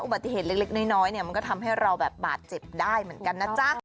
อุบัติเหตุเล็กน้อยมันก็ทำให้เราบาดเจ็บได้เหมือนกันนะจ๊ะ